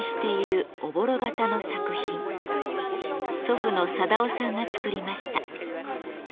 祖父の貞男さんが作りました。